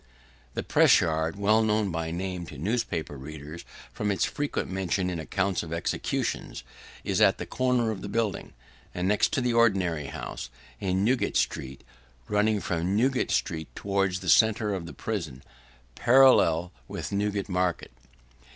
The press yard, well known by name to newspaper readers, from its frequent mention in accounts of executions, is at the corner of the building, and next to the ordinary's house, in Newgate street: running from Newgate street, towards the centre of the prison, parallel with Newgate market.